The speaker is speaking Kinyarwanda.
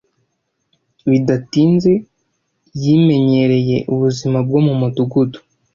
Bidatinze yimenyereye ubuzima bwo mu mudugudu.